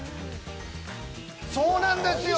そうなんですよ！